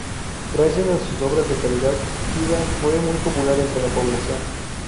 Gracias a sus obras de caridad, Ida fue muy popular entre la población.